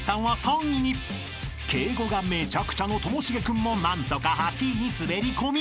［敬語がめちゃくちゃのともしげ君も何とか８位に滑り込み］